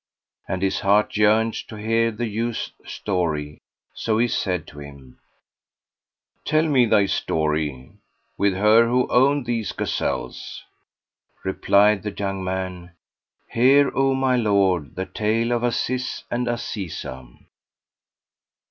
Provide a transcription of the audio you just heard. "[FN#481] And his heart yearned to hear the youth's story; so he said to him, "Tell me thy story with her who owned these gazelles." Replied the young man: "Hear, O my Lord, the Tale of Aziz and Azizah.